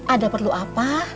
ada perlu apa